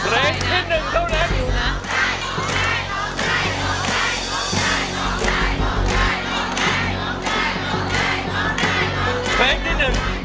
ลองได้ลองได้ลองได้ลองได้ลองให้ลองได้ลองได้ลอง